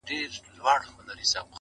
علم د پرمختګ دروازه ده.